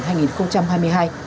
mỗi người dân cần năng lượng